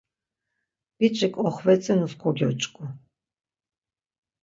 Biç̌ik oxvetzinus kogyoç̌ǩu.